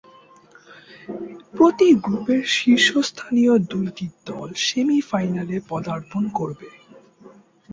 প্রতি গ্রুপের শীর্ষস্থানীয় দুইটি দল সেমি-ফাইনালে পদার্পণ করবে।